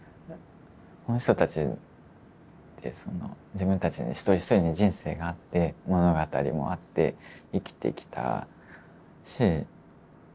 その人たちって自分たち一人一人に人生があって物語もあって生きてきたし